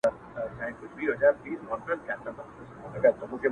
• چي دي کرلي درته رسیږي ,